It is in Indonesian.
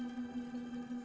setiap senulun buat